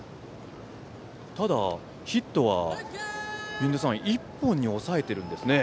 ただ、ヒットは１本に抑えているんですね。